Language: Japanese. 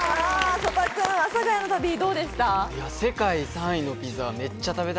曽田君、阿佐ヶ谷の旅どうでした？